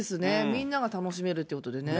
みんなが楽しめるということでね。